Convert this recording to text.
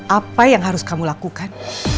apa yang harus kamu lakukan